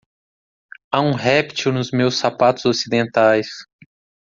Há um réptil nos meus sapatos ocidentais.